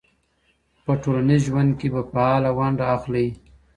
په ټولنیز ژوند کي به فعاله ونډه اخلئ.